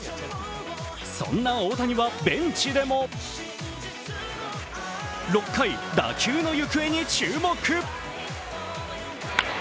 そんな大谷はベンチでも６回、打球の行方に注目。